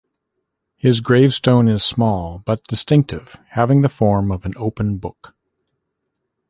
His gravestone is small, but distinctive, having the form of an open book.